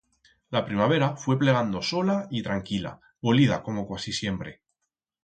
La primavera fue plegando sola y tranquila, polida como cuasi siempre.